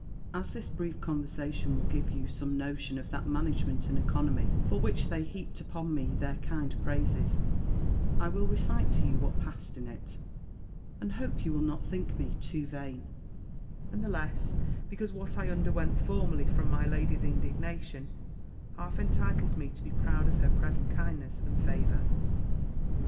As this brief conversation will give you some notion of that management and economy for which they heaped upon me their kind praises, I will recite to you what passed in it, and hope you will not think me too vain; and the less, because what I underwent formerly from my lady's indignation, half entitles me to be proud of her present kindness and favour.